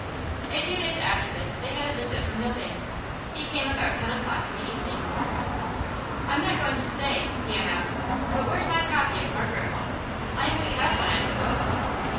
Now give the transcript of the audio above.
A few days after this they had a visit from Milvain. He came about ten o'clock in the evening. 'I'm not going to stay,' he announced. 'But where's my copy of "Margaret Home"? I am to have one, I suppose?